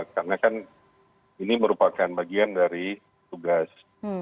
karena kan ini merupakan bagian dari tugas